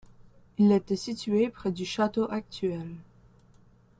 Il était situé près du château actuel.